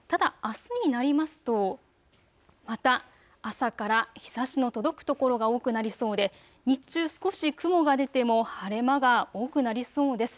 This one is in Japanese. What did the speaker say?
ただ、あすになりますとまた朝から日ざしの届く所が多くなりそうで日中、少し雲が出ても晴れ間が多くなりそうです。